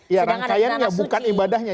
ya rangkaiannya bukan ibadahnya